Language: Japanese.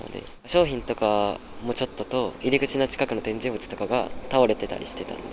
商品とかもちょっとと、入り口の近くの展示物とかが倒れてたりしてた。